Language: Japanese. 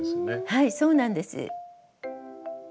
はいそうなんです。